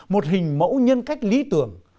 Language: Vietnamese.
một hình mẫu nhân cách lý tưởng